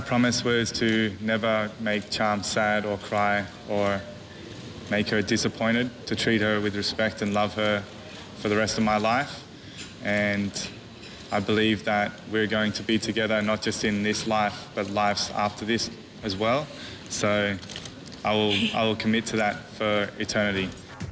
เพราะฉะนั้นฉันจะสนุกค่ะเพื่อประตูสุดท้าย